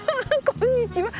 こんにちは。